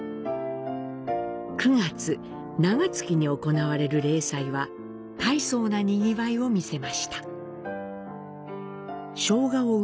９月、長月に行われる例祭は、たいそうな賑わいをみせました。